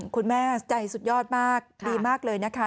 คุณแม่ใจสุดยอดมากดีมากเลยนะคะ